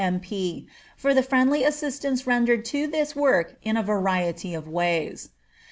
M.P., for the friendly assistance rendered to this work in a variety of ways.